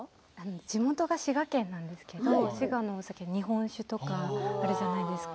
地元が滋賀県なんですけれど、滋賀のお酒日本酒とかあるじゃないですか。